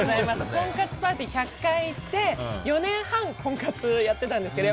婚活パーティーに１００回行って４年半、婚活やってましたけど